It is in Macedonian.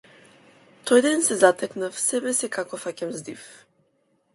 Тој ден се затекнав себе си како фаќам здив.